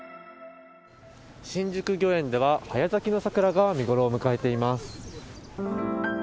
新宿御苑では、早咲きの桜が見頃を迎えています。